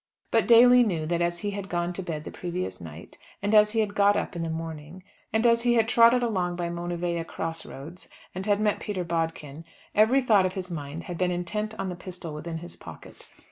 But Daly knew that as he had gone to bed the previous night, and as he had got up in the morning, and as he had trotted along by Monivea cross roads, and had met Peter Bodkin, every thought of his mind had been intent on the pistol within his pocket.